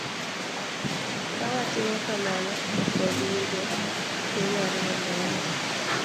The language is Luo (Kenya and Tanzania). Ka watimo kamano, ok wabi yudo tuo mar malaria.